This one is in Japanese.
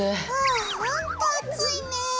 あほんと暑いね。